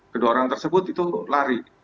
kedua orang tersebut itu lari